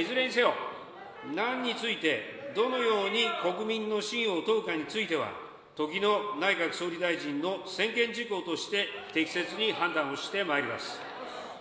いずれにせよ、なんについて、どのように国民の信を問うかについては、時の内閣総理大臣の専権事項として適切に判断をしてまいります。